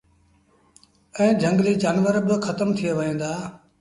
ائيٚݩ جھنگليٚ جآنور با کتم ٿئي وهيݩ دآ۔